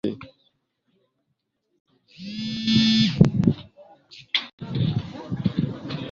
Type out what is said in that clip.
Mambo yanayosisitizwa katika Sheria hii ni mipango na usimamizi